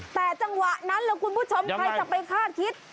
แต่จังหวะนั้นล่ะคุณผู้ชมใครจะไปคาดคิด